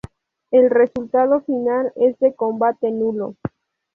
El resultado final es de combate nulo.